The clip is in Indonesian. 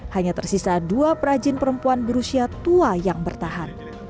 hanya tersisa dua perajin perempuan berusia tua yang bertahan